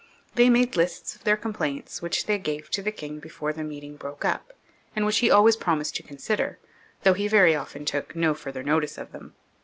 They made^ lists of their complaints, which they gave to the king before the meeting broke up, and which he always pro mised to consider, though he very often took no further notice of them.